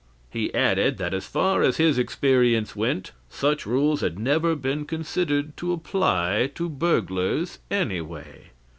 He added that as far as his experience went, such rules had never been considered to apply to burglars, anyway.